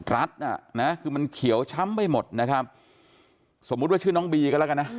น่ะนะคือมันเขียวช้ำไปหมดนะครับสมมุติว่าชื่อน้องบีก็แล้วกันนะ